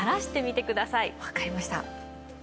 わかりました。